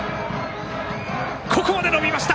ここまで伸びました。